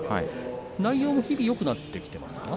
内容も日々よくなってきていますか？